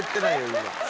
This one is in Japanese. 今。